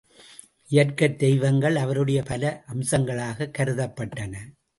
இயற்கைத் தெய்வங்கள், அவருடைய பல அம்சங்களாகக் கருதப்பட்டன.